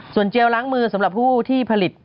เจลล้างมือสำหรับผู้ที่ผลิต